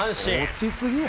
落ちすぎや。